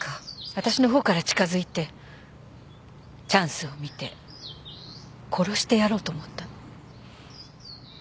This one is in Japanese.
わたしの方から近づいてチャンスを見て殺してやろうと思ったの。